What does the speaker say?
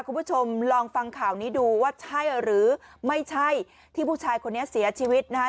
คุณผู้ชมลองฟังข่าวนี้ดูว่าใช่หรือไม่ใช่ที่ผู้ชายคนนี้เสียชีวิตนะฮะ